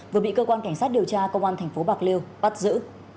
vừa bị cơ quan cảnh sát điều tra công an tp bạc liêu bắt giữ